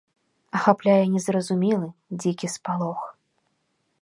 Ахапляе незразумелы, дзікі спалох.